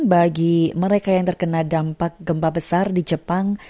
bagi mereka yang terkena dampak gempa besar di jepang